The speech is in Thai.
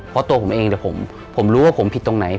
เพราะตัวผมเองผมรู้ว่าผมผิดตรงไหน